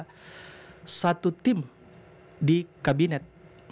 ada satu tim di kabinet